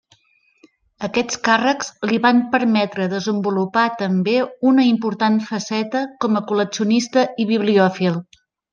Aquests càrrecs li van permetre desenvolupar també una important faceta com a col·leccionista i bibliòfil.